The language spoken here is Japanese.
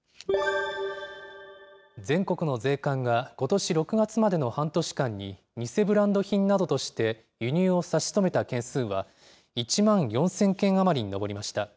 全国の税関がことし６月までの半年間に、偽ブランド品などとして輸入を差し止めた件数は、１万４０００件余りに上りました。